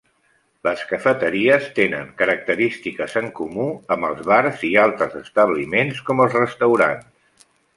Les cafeteries tenen característiques en comú amb els bars i altres establiments, com els restaurants.